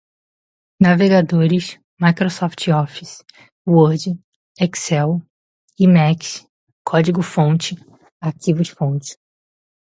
navegadores, microsoft office, word, excel, emacs, código-fonte, arquivos-fonte